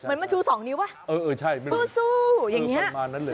เหมือนมันชูสองนิ้วปะเออเออใช่ฟู้สู้อย่างเงี้ยแบบนั้นเลย